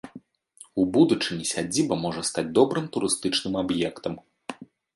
У будучыні сядзіба можа стаць добрым турыстычным аб'ектам.